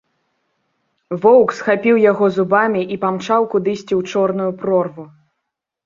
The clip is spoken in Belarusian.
Воўк схапіў яго зубамі і памчаў кудысьці ў чорную прорву.